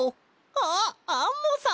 あっアンモさん！